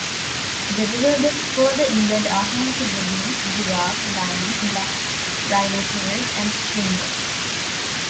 The riverbeds further inland are home to baboons, giraffes, lions, black rhinoceros and springbok.